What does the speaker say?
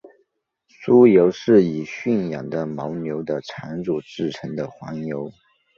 酥油是以驯养的牦牛的产乳制成的黄油。